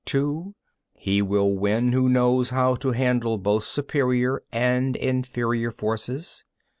(2) He will win who knows how to handle both superior and inferior forces.